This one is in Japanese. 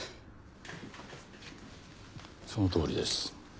そのとおりです。